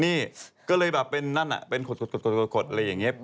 นี่ก็เลยแบบเป็นนั่นน่ะเป็นขดอะไรอย่างนี้